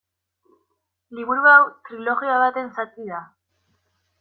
Liburu hau trilogia baten zati da.